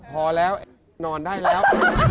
พอแล้วนอนได้แล้ว